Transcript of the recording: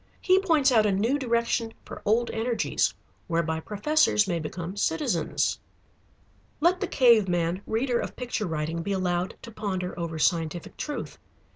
He points out a new direction for old energies, whereby professors may become citizens. Let the cave man, reader of picture writing, be allowed to ponder over scientific truth.